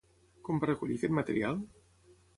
Com va recollir aquest material?